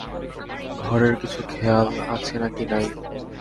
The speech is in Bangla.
ঘরের কিছু খেয়াল আছে নাকি নাই?